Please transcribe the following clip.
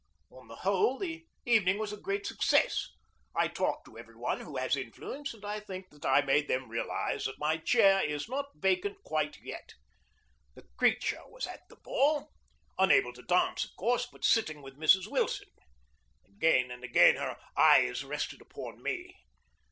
On the whole, the evening was a great success. I talked to every one who has influence, and I think that I made them realize that my chair is not vacant quite yet. The creature was at the ball unable to dance, of course, but sitting with Mrs. Wilson. Again and again her eyes rested upon me.